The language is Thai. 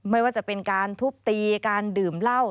ไม่ว่าจะเป็นการทุบตีการดื่มเหล้า